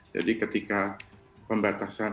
jadi ketika pembatasan